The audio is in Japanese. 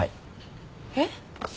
えっ？